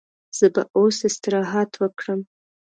زه به اوس استراحت وکړم.